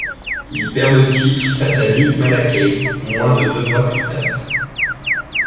Il perd le titre face à Nick Malakai moins de deux mois plus tard.